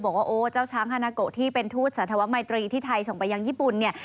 บอกว่าโอ้เจ้าช้างฮานาโกที่เป็นทูตสาธวมัยตรีที่ไทยส่งไปยังญี่ปุ่นเนี่ย